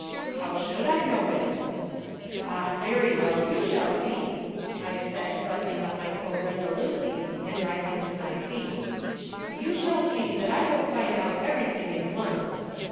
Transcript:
"How should I know it?" "Ah, very well, you shall see!" I said, buttoning up my coat resolutely and rising to my feet. "You shall see that I will find out everything in once.